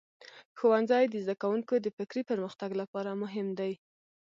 ښوونځی د زده کوونکو د فکري پرمختګ لپاره مهم دی.